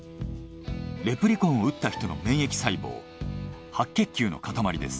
レプリコンを打った人の免疫細胞白血球の塊です。